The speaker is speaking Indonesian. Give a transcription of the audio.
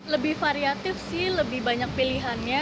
lebih variatif sih lebih banyak pilihannya